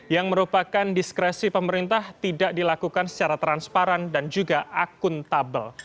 yang merupakan diskresi pemerintah tidak dilakukan secara transparan dan juga akuntabel